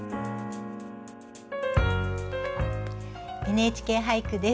「ＮＨＫ俳句」です。